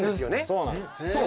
そうなんです。